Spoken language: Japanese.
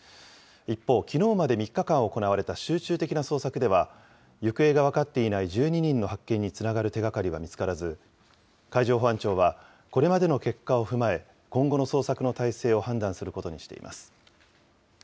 一方、きのうまで３日間行われた集中的な捜索では、行方が分かっていない１２人の発見につながる手がかりは見つからず、海上保安庁は、これまでの結果を踏まえ、今後の捜索の態勢を判断することにしています。